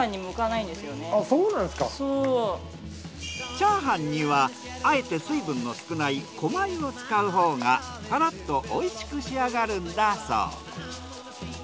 チャーハンにはあえて水分の少ない古米を使うほうがパラッとおいしく仕上がるんだそう。